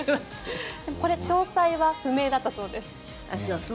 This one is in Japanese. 詳細は不明だったそうです。